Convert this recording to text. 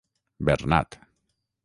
Bernat.